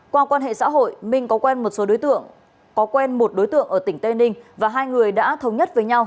qua quan hệ xã hội minh có quen một đối tượng ở tỉnh tây ninh và hai người đã thống nhất với nhau